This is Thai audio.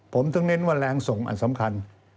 ผมถึงเน้นว่าแรงส่งอันสำคัญ